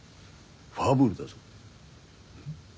ファブルだぞ？